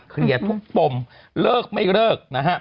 เคลียร์ทุกปมเลิกไม่เลิกนะฮะ